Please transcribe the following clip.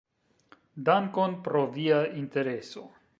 Dankon pro via intereso!